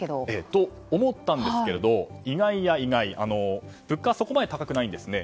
そう思ったんですけれど意外や意外、物価はそこまで高くないんですね。